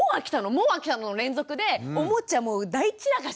もう飽きたの？の連続でおもちゃもう大散らかし！